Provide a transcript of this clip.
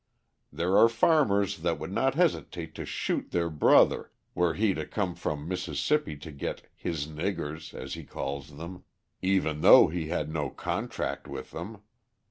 There are farmers that would not hesitate to shoot their brother were he to come from Mississippi to get "his niggers," as he calls them, even though he had no contract with them.